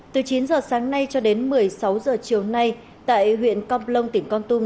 từ chín giờ sáng nay cho đến một mươi sáu giờ chiều nay tại huyện công long tỉnh con tum